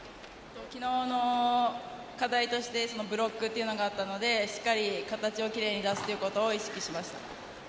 昨日の課題としてブロックというのがあったのでしっかり形を奇麗に出すことを意識しました。